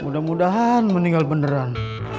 mudah mudahan meninggal beneran